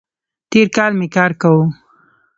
تېر کال می کار کاوو